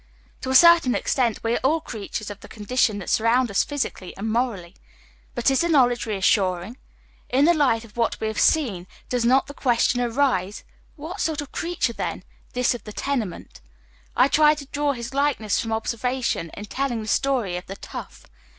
To a certain extent, we are all creatures of the conditions that surround us, physically and morally. But is the knowl edge reassuring? In the light of what we have seen, does not the question arise : what sort of creature, then, this of the tenement ? I tried to draw his likeness from ob servation in telling the story of the " tough."